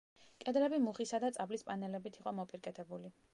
კედლები მუხისა და წაბლის პანელებით იყო მოპირკეთებული.